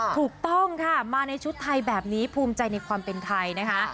ถูกต้องค่ะมาในชุดไทยแบบนี้ภูมิใจในความเป็นไทยนะคะ